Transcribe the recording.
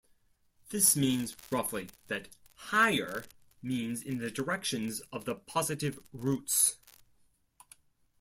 This means, roughly, that "higher" means in the directions of the positive roots.